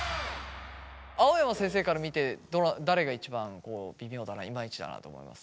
青山先生から見て誰が一番微妙だないまいちだなと思います？